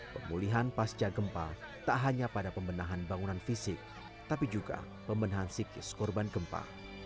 pemulihan pasca gempa tak hanya pada pembenahan bangunan fisik tapi juga pembenahan psikis korban gempa